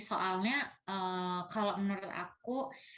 soalnya kalau menurut aku